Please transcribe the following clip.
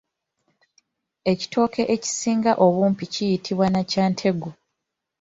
Ekitooke ekisinga obumpi kiyitibwa nakyetengu.